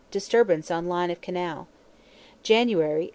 Disturbance on line of canal. January, 1889.